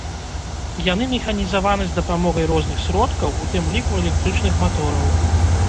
Яны механізаваны з дапамогай розных сродкаў, у тым ліку электрычных матораў.